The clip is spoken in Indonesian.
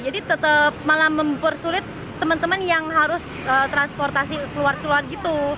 jadi tetap malah mempersulit teman teman yang harus transportasi keluar keluar gitu